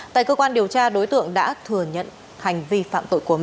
tại cơ quan điều tra đối tượng đã thừa nhận hành vi phạm tội của mình